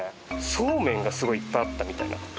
ソーメンがすごいいっぱいあったみたいな。